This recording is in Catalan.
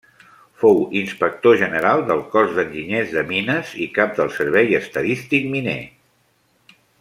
Fou inspector general del Cos d'Enginyers de Mines i Cap del Servei Estadístic Miner.